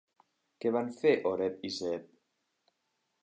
Què van fer Oreb i Zeeb?